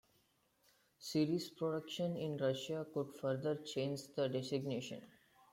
Series production in Russia could further change the designation.